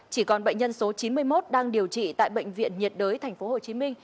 chỉ còn bệnh nhân số chín mươi một đang điều trị tại bệnh viện nhiệt đới tp hcm